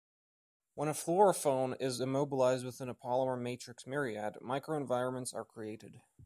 When a fluorophore is immobilised within a polymer matrix myriad micro-environments are created.